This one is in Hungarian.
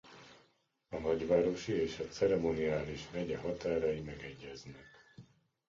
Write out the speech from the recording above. A nagyvárosi és a ceremoniális megye határai megegyeznek.